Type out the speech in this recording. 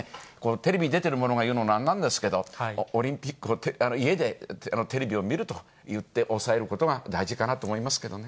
テレビ出ている者が言うのもなんなんですけど、オリンピックを家でテレビを見るといって抑えることが大事かなと思いますけどね。